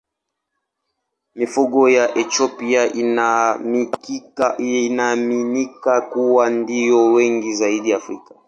Mifugo ya Ethiopia inaaminika kuwa ndiyo wengi zaidi Afrika.